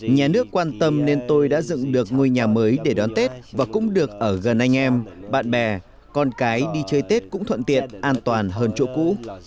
nhà nước quan tâm nên tôi đã dựng được ngôi nhà mới để đón tết và cũng được ở gần anh em bạn bè con cái đi chơi tết cũng thuận tiện an toàn hơn chỗ cũ